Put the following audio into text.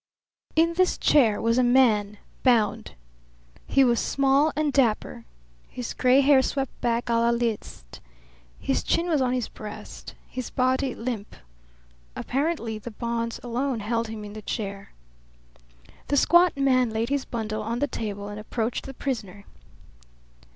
In this chair was a man, bound. He was small and dapper, his gray hair swept back a la Liszt. His chin was on his breast, his body limp. Apparently the bonds alone held him in the chair. The squat man laid his bundle on the table and approached the prisoner.